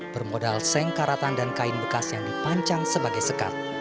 bermodal sengkaratan dan kain bekas yang dipancang sebagai sekat